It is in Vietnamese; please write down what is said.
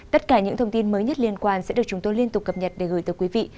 tất cả những thông tin mới nhất liên quan sẽ được chúng tôi liên tục cập nhật để gửi tới quý vị